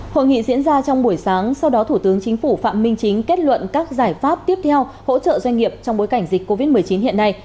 hội nghị diễn ra trong buổi sáng sau đó thủ tướng chính phủ phạm minh chính kết luận các giải pháp tiếp theo hỗ trợ doanh nghiệp trong bối cảnh dịch covid một mươi chín hiện nay